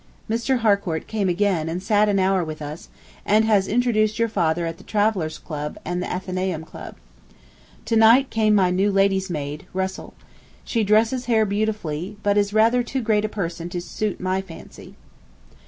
Mr. Harcourt came again and sat an hour with us, and has introduced your father at the Traveller's Club and the Athenæum Club. To night came my new lady's maid, Russell. She dresses hair beautifully, but is rather too great a person to suit my fancy.